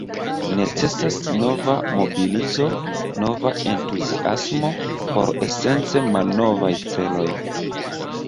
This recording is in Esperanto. Necesas nova mobilizo, nova entuziasmo por esence malnovaj celoj.